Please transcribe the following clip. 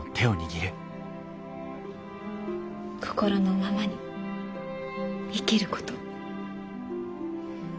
心のままに生きること。